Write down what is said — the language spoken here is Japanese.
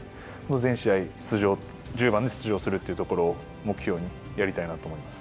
全試合出場、１０番で出場するというところを、目標にやりたいなと思います。